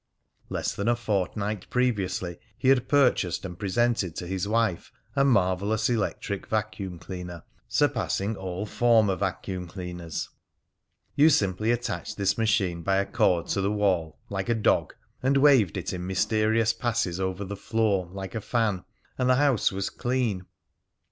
Less than a fortnight previously he had purchased and presented to his wife a marvellous electric vacuum cleaner, surpassing all former vacuum cleaners. You simply attached this machine by a cord to the wall, like a dog, and waved it in mysterious passes over the floor, like a fan, and the house was clean!